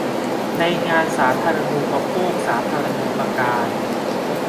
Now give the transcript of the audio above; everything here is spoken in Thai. ในงานสาธารณูปโภคสาธารณูปการ